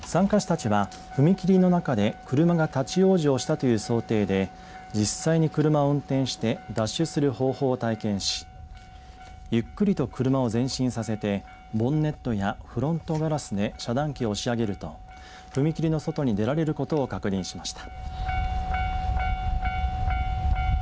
参加者たちは踏切の中で車が立往生したという想定で実際に車を運転して脱出する方法を体験しゆっくりと車を前進させてボンネットやフロントガラスで遮断機を押し上げると踏切の外に出られることを確認しました。